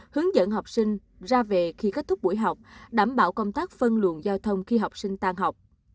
hướng dẫn học sinh ra về khi kết thúc buổi học đảm bảo công tác phân luận giao thông khi học sinh tan học